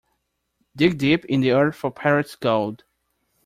Dig deep in the earth for pirate's gold.